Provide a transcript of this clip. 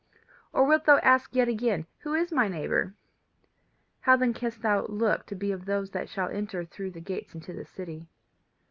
Or wilt thou ask yet again Who is my neighbour? How then canst thou look to be of those that shall enter through the gates into the city?